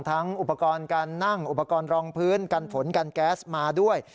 อุปกรณ์การนั่งอุปกรณ์รองพื้นกันฝนกันแก๊สมาด้วย